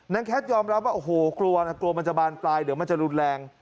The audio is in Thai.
แคทยอมรับว่าโอ้โหกลัวนะกลัวมันจะบานปลายเดี๋ยวมันจะรุนแรง